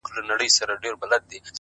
• نه یې ږغ سو د چا غوږ ته رسېدلای ,